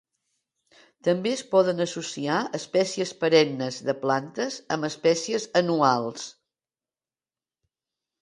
També es poden associar espècies perennes de plantes amb espècies anuals.